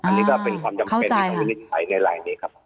อันนี้ก็เป็นความจำเป็นที่ต้องวินิจฉัยในลายนี้ครับ